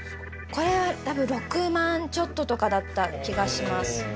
これは６万ちょっとだった気がします。